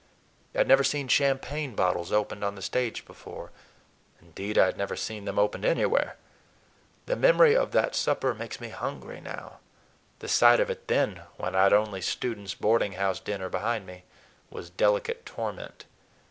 I had never seen champagne bottles opened on the stage before—indeed, I had never seen them opened anywhere. The memory of that supper makes me hungry now; the sight of it then, when I had only a students' boarding house dinner behind me, was delicate torment.